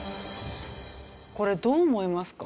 これどう思いますか？